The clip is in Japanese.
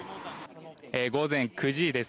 午前９時です。